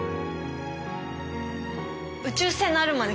宇宙船直るまで